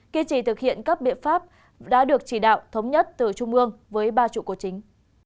kiên trì thực hiện các biện pháp đã được chỉ đạo thống nhất từ trung ương với ba trụ cột chính